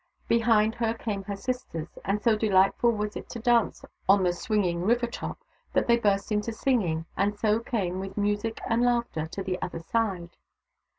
Behind her came her sisters ; and so delightful was it to dance on the swinging river top that they burst into singing, and so came, with music and laughter, to the other side.